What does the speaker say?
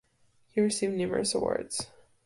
He received numerous awards.